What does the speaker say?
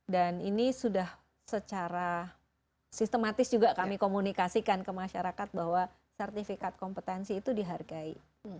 ini sudah secara sistematis juga kami komunikasikan ke masyarakat bahwa sertifikat kompetensi itu dihargai